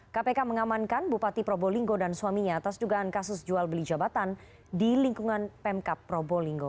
kpk mengamankan bupati probolinggo dan suaminya atas dugaan kasus jual beli jabatan di lingkungan pemkap probolinggo